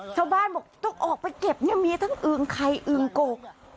ชาวบ้านบอกต้องออกไปเก็บเนี่ยมีทั้งอึงไข่อึงกก